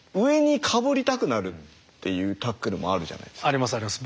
ありますあります。